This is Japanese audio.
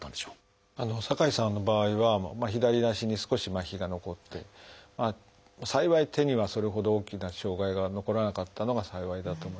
酒井さんの場合は左足に少しまひが残って幸い手にはそれほど大きな障害が残らなかったのが幸いだと思います。